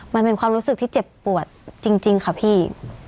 มันเป็นความรู้สึกที่เจ็บปวดจริงค่ะพี่